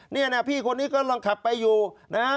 นี่นะพี่คนนี้กำลังขับไปอยู่นะฮะ